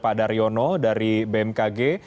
pak daryono dari bmkg